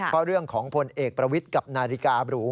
เพราะเรื่องของพลเอกประวิทย์กับนาฬิกาบรู